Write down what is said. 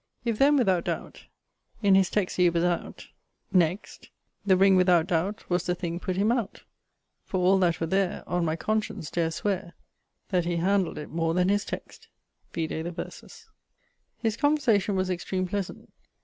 If then without doubt, In his text he was out ...... next, The ring without doubt Was the thing putt him out, For all that were there, On my conscience, dare sweare, That he handled it more than his text: vide the verses. His conversation was extreme pleasant.